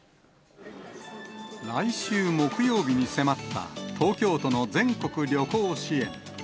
来週木曜日に迫った、東京都の全国旅行支援。